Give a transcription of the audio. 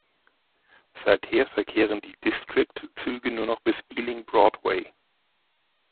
Seither verkehren die District-Züge nur noch bis Ealing Broadway.